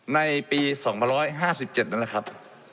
ในปี๒๕๗นั่นแหละครับ